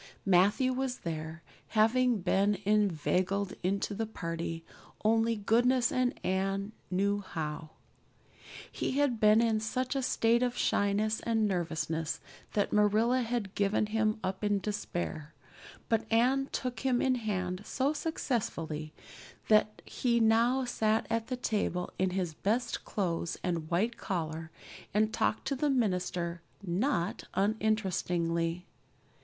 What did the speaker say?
Matthew was there, having been inveigled into the party only goodness and Anne knew how. He had been in such a state of shyness and nervousness that Marilla had given him up in despair, but Anne took him in hand so successfully that he now sat at the table in his best clothes and white collar and talked to the minister not uninterestingly.